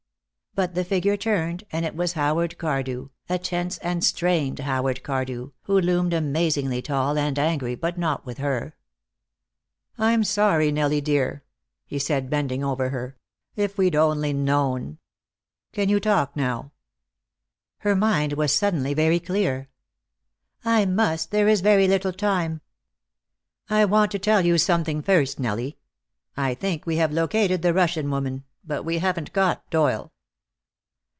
But the figure turned, and it was Howard Cardew, a tense and strained Howard Cardew, who loomed amazingly tall and angry, but not with her. "I'm sorry, Nellie dear," he said, bending over her. "If we'd only known can you talk now?" Her mind was suddenly very clear. "I must. There is very little time." "I want to tell you something first, Nellie. I think we have located the Russian woman, but we haven't got Doyle."